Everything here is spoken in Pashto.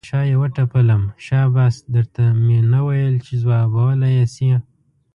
پر شا یې وټپلم، شاباس در ته مې نه ویل چې ځوابولی یې شې.